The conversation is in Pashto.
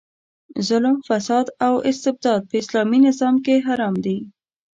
ظلم، فساد او استبداد په اسلامي نظام کې حرام دي.